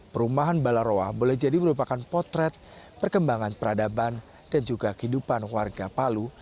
perumahan balaroa boleh jadi merupakan potret perkembangan peradaban dan juga kehidupan warga palu